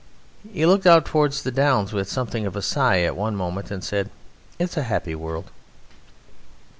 He looked out towards the downs with something of a sigh at one moment, and said: "It's a happy world."